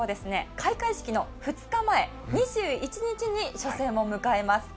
開会式の２日前、２１日に初戦を迎えます。